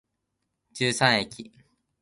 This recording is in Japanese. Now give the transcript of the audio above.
十三駅